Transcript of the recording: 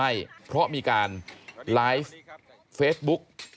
ถ้าเขาถูกจับคุณอย่าลืม